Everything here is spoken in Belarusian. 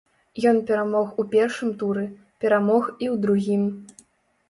Ён перамог у першым туры, перамог і ў другім.